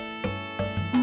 ada apa be